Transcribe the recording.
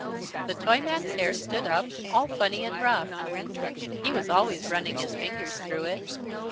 The Toyman's hair stood up, all funny and rough. He was always running his fingers through it.